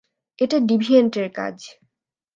এটা ডিভিয়েন্টের কাজ।